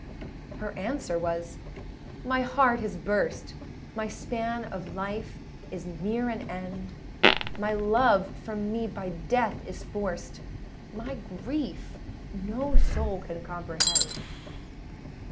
â Her answer was, âMy heart is burst, My span of life is near an end; My love from me by death is forced, My grief no soul can comprehend.